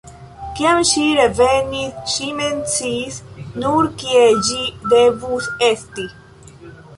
Kiam ŝi revenis, ŝi mem sciis nur, kie ĝi devus esti.